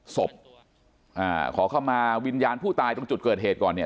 ศพอ่าขอเข้ามาวิญญาณผู้ตายตรงจุดเกิดเหตุก่อนเนี่ย